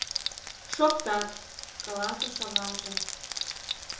— Шоктат, — каласыш аваже.